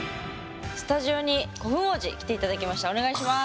スタジオに古墳王子来て頂きました。